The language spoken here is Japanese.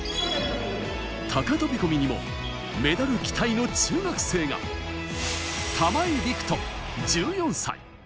高飛び込みにもメダル期待の中学生が、玉井陸斗、１４歳。